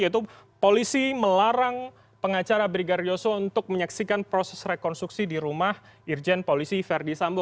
yaitu polisi melarang pengacara brigadir yosua untuk menyaksikan proses rekonstruksi di rumah irjen polisi verdi sambo